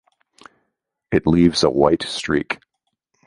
It leaves a white streak.